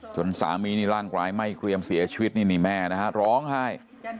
สามีนี่ร่างกายไม่เกรียมเสียชีวิตนี่นี่แม่นะฮะร้องไห้